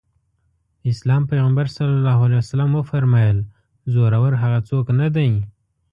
د اسلام پيغمبر ص وفرمايل زورور هغه څوک نه دی.